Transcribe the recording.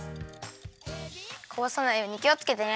こぼさないようにきをつけてね。